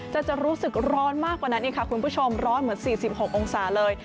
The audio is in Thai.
จะรู้สึกร้อนมากกว่านั้นอีกค่ะคุณผู้ชมร้อนเหมือน๔๖องศาเลย